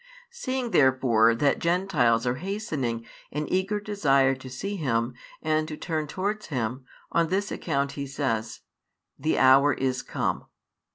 Seeing therefore that Gentiles are hastening in eager desire to see Him and to turn towards Him, on this account He says: The hour is come.